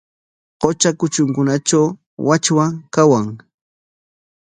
Qutra kutrunkunatraw wachwa kawan.